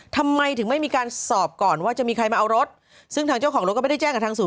ทำไมถึงไม่มีการสอบก่อนว่าจะมีใครมาเอารถซึ่งทางเจ้าของรถก็ไม่ได้แจ้งกับทางศู